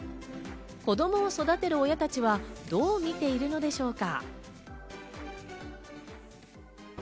子供を育てる親たちはどう見ているのでしょうか？